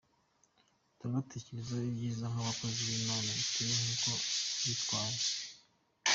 Turabatekerezaho ibyiza nk’abakozi b’Imana bitewe n’uko bitwaye.